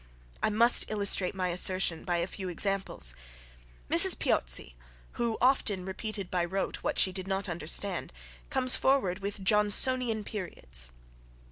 I must illustrate my assertion by a few examples. Mrs. Piozzi, who often repeated by rote, what she did not understand, comes forward with Johnsonian periods.